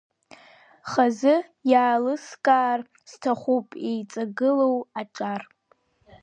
Хазы иалыскаар сҭахуп еиҵагыло аҿар.